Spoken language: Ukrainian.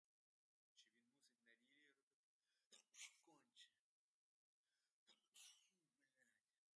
Чиж він мусить на ріллі робити конче?